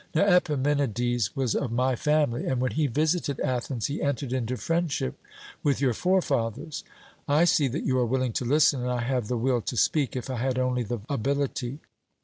Now Epimenides was of my family, and when he visited Athens he entered into friendship with your forefathers.' I see that you are willing to listen, and I have the will to speak, if I had only the ability.